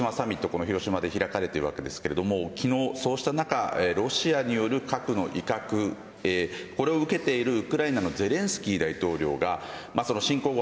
この広島で開かれていますが昨日そうした中ロシアによる核の威嚇これを受けているウクライナのゼレンスキー大統領が侵攻後